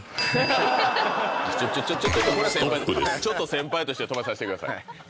先輩として止めさせてください。